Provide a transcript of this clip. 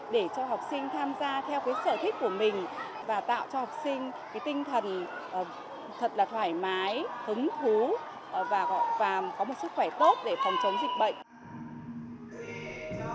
để cho học sinh tham gia theo sở thích của mình và tạo cho học sinh tinh thần thật là thoải mái hứng thú và có một sức khỏe tốt để phòng chống dịch bệnh